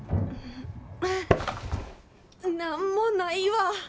・何もないわ。